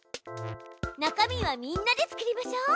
中身はみんなで作りましょう！